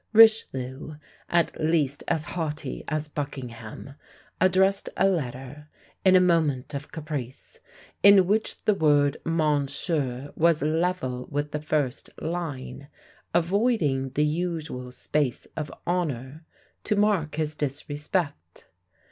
Richelieu, at least as haughty as Buckingham, addressed a letter, in a moment of caprice, in which the word Monsieur was level with the first line, avoiding the usual space of honour, to mark his disrespect.